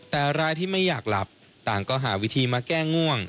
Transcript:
แต่รายที่ไม่อยากหลับต่างก็หาวิธีมาแก้ง่วง